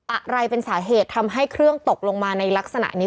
อะไรเป็นสาเหตุทำให้เครื่องตกลงมาในลักษณะนี้